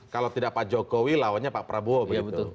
kalau tidak pak jokowi lawannya pak prabowo begitu